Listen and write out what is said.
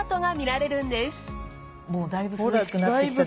もうだいぶ涼しくなってきた。